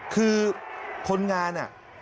คือคนงานอ่ะ